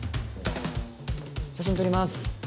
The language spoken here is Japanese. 写真撮ります